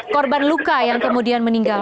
korban luka yang kemudian meninggal